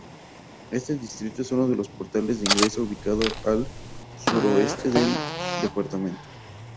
Este distrito es uno de los portales de ingreso, ubicado al suroeste del departamento.